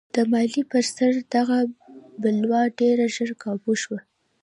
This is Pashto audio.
د مالیې پر سر دغه بلوا ډېر ژر کابو شوه.